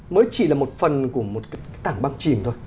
mới chỉ là một phần của một tảng băng chìm thôi